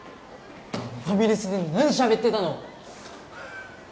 ファミレスで何しゃべってたの？